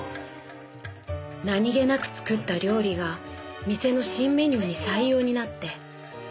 何気なく作った料理が店の新メニューに採用になって。